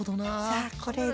さあこれで。